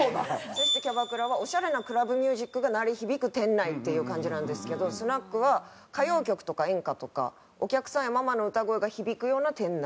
そしてキャバクラはオシャレなクラブミュージックが鳴り響く店内っていう感じなんですけどスナックは歌謡曲とか演歌とかお客さんやママの歌声が響くような店内。